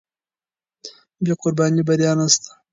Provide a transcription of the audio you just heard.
بې قربانۍ بریا نشته.